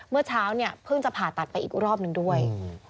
เมื่อเช้าเนี่ยเพิ่งจะผ่าตัดไปอีกรอบหนึ่งด้วย